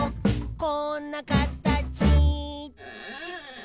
「こんなかたち」